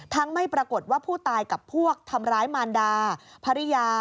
ไม่ปรากฏว่าผู้ตายกับพวกทำร้ายมารดาภรรยา